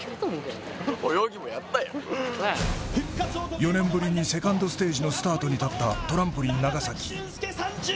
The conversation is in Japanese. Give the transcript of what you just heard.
４年ぶりにセカンドステージのスタートに立った長崎峻侑。